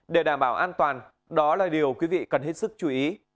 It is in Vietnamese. để đảm bảo an toàn đó là điều quý vị cần hết sức chú ý